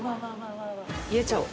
入れちゃおう。